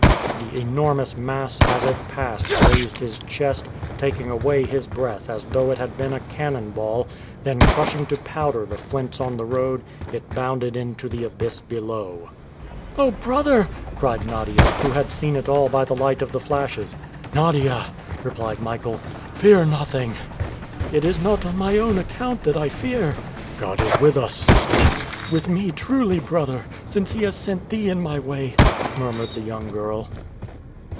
The enormous mass as it passed grazed his chest, taking away his breath as though it had been a cannon ball, then crushing to powder the flints on the road, it bounded into the abyss below. "Oh, brother!" cried Nadia, who had seen it all by the light of the flashes. "Nadia!" replied Michael, "fear nothing!" "It is not on my own account that I fear!" "God is with us, sister!" "With me truly, brother, since He has sent thee in my way!" murmured the young girl.